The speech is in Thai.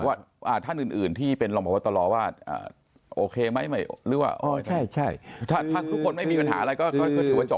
ว่าท่านอื่นที่เป็นรองพบตรว่าโอเคไหมหรือว่าถ้าทุกคนไม่มีปัญหาอะไรก็ถือว่าจบ